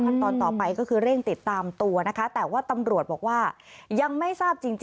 ตอนต่อไปก็คือเร่งติดตามตัวนะคะแต่ว่าตำรวจบอกว่ายังไม่ทราบจริง